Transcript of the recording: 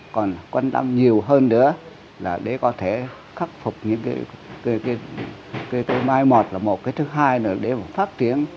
còn quan tâm nhiều hơn nữa là để có thể khắc phục những cái mai một là một cái thứ hai nữa để phát triển